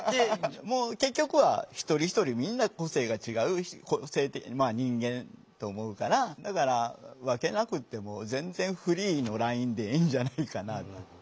結局は一人一人みんな個性が違う人間と思うからだから分けなくっても全然フリーのラインでいいんじゃないかな。